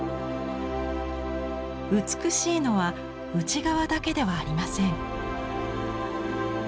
美しいのは内側だけではありません。